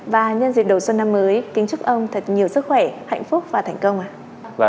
và nhân dịp đầu xuân năm mới kính chúc ông thật nhiều sức khỏe hạnh phúc và thành công ạ